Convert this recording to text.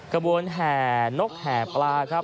ขบวนแหกหนกแหปลา